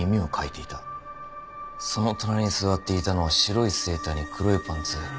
その隣に座っていたのは白いセーターに黒いパンツ。